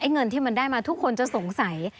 เงินที่มันได้มาทุกคนจะสงสัย